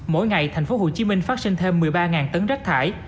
mỗi ngày thành phố hồ chí minh phát sinh thêm một mươi ba tấn rác thải